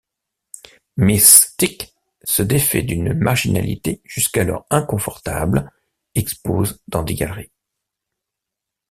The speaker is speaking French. Miss.Tic se défait d’une marginalité jusqu'alors inconfortable, expose dans des galeries.